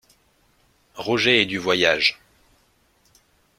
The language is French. Roger est du voyage.